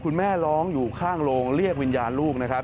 คุณแม่ร้องอยู่ข้างโรงเรียกวิญญาณลูกนะครับ